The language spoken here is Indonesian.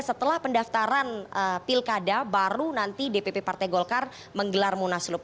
setelah pendaftaran pilkada baru nanti dpp partai golkar menggelar munaslup